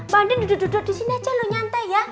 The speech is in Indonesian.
banding duduk duduk disini aja lu nyantai ya